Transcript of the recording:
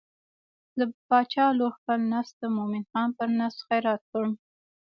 د باچا لور خپل نفس د مومن خان پر نفس خیرات کړ.